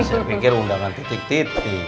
saya pikir undangan titik titik